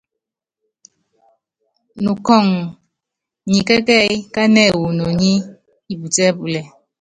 Nukɔ́ŋ nyi kɛ́kɛ́yí kánɛ wu inoní íputíɛ́púlɛ.